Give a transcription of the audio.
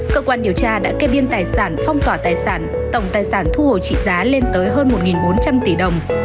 cơ quan điều tra đã kê biên tài sản phong tỏa tài sản tổng tài sản thu hồi trị giá lên tới hơn một bốn trăm linh tỷ đồng